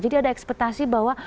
jadi ada ekspetasi bahwa